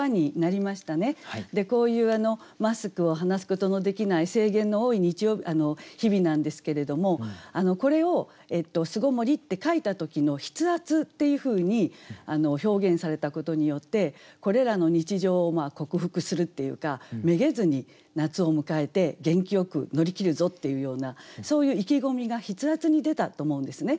こういうマスクを離すことのできない制限の多い日々なんですけれどもこれを「巣篭もり」って書いた時の筆圧っていうふうに表現されたことによってこれらの日常を克服するっていうかめげずに夏を迎えて元気よく乗り切るぞっていうようなそういう意気込みが筆圧に出たと思うんですね。